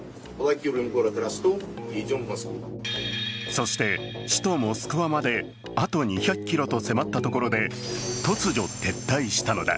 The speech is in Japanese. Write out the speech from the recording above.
そして、首都モスクワまであと２００ｋｍと迫ったところで突如、撤退したのだ。